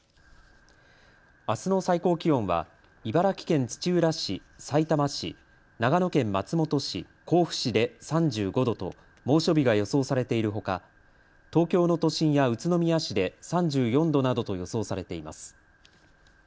あすの最高気温は茨城県土浦市、さいたま市、長野県松本市、甲府市で３５度と猛暑日が予想されているほか東京の都心や宇都宮市で３４度などと予想されています。